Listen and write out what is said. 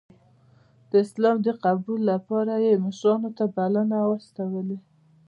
د اسلام د قبول لپاره یې مشرانو ته بلنې واستولې.